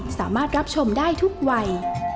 สามารถรับชมได้ทุกวัย